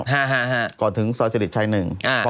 ฮ่าฮ่าฮ่าก่อนถึงซอยสิริชชัยหนึ่งอ่า